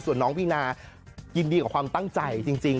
ส่วนน้องพี่นายินดีกับความตั้งใจจริง